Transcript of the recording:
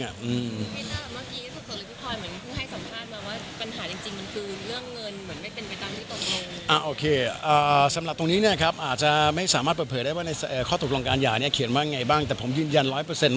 เมื่อกี้สมภาษณ์มาว่าปัญหาจริงมันคือเรื่องเงินเหมือนไม่เป็นไปตามที่ตกลง